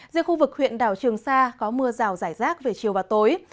riêng khu vực huyện đảo trường sa có mưa rào rải rác về chiều và tối